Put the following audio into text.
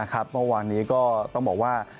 ครับวันนี้ก็ต้องบอกว่า